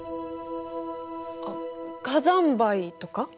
あっ火山灰とか？